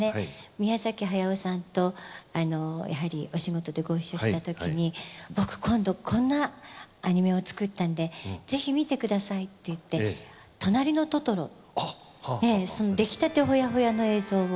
宮崎駿さんとやはりお仕事でご一緒したときに僕今度こんなアニメを作ったんでぜひ見てくださいって言って『となりのトトロ』出来たてほやほやの映像を。